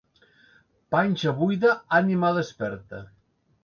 Panxa buida, ànima desperta.